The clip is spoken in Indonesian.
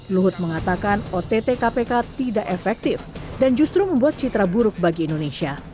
luhut mengatakan ott kpk tidak efektif dan justru membuat citra buruk bagi indonesia